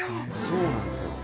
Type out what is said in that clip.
そうなんすよ